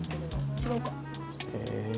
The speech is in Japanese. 違うか。